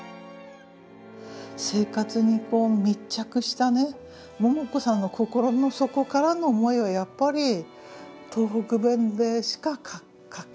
生活に密着したね桃子さんの心の底からの思いはやっぱり東北弁でしか書けない。